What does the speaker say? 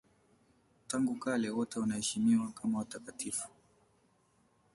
Tangu kale wote wanaheshimiwa kama watakatifu.